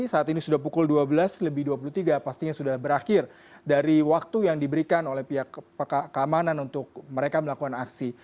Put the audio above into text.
saat ini sudah pukul dua belas lebih dua puluh tiga pastinya sudah berakhir dari waktu yang diberikan oleh pihak keamanan untuk mereka melakukan aksi